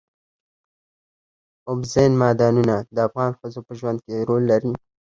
اوبزین معدنونه د افغان ښځو په ژوند کې رول لري.